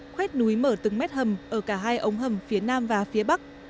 khoét núi mở từng mét hầm ở cả hai ống hầm phía nam và phía bắc